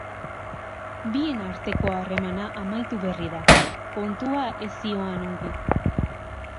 Bien arteko harremana amaitu berri da, kontua ez zihoan ongi.